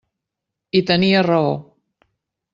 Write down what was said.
I tenia raó.